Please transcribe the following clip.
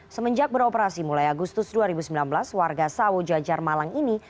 semenjak beroperasi mulai agustus dua ribu sembilan belas warga sawo jajar malang ini